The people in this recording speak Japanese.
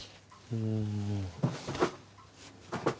うん？